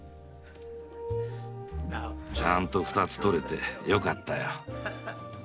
ちゃんと２つ取れてよかったよ。